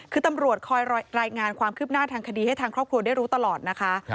คือตำรวจคอยรายงานความคืบหน้าทางคดีให้ทางครอบครัวได้รู้ตลอดนะคะ